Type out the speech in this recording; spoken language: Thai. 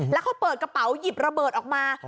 แล้วเขาเปิดกระเป๋าหยิบระเบิดออกมา